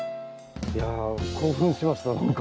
いや興奮しました。